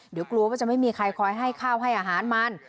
เดี๋ยวกลัวว่าจะไม่มีใครคอยให้ข้าวให้อาหารมัน